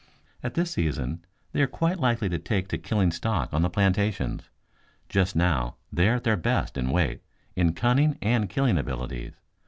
At this season they are quite likely to take to killing stock on the plantations. Just now they are at their best, in weight, in cunning and killing abilities.